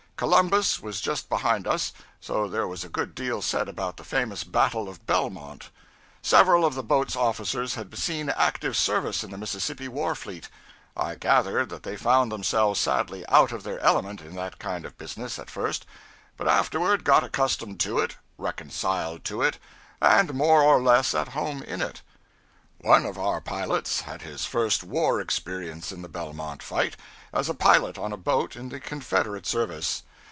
Columbus was just behind us, so there was a good deal said about the famous battle of Belmont. Several of the boat's officers had seen active service in the Mississippi war fleet. I gathered that they found themselves sadly out of their element in that kind of business at first, but afterward got accustomed to it, reconciled to it, and more or less at home in it. One of our pilots had his first war experience in the Belmont fight, as a pilot on a boat in the Confederate service.